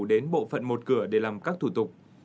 đến bộ phận một cửa để làm các thủ tục